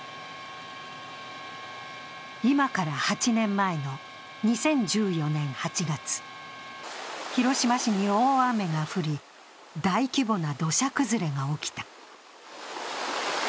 今から８年前の２０１４年８月広島市に大雨が降り、大規模な土砂崩れが起きた。